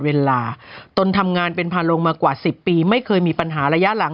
ตนทำงานเป็นภาลงมากว่า๑๐ปีไม่เคยมีปัญหาระยะหลัง